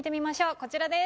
こちらです。